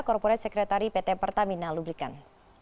korporat sekretari pt pertamina lubrikan